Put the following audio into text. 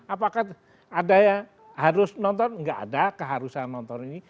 apakah ada yang harus nonton nggak ada keharusan nonton ini